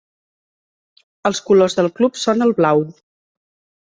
Els colors del club són el blau.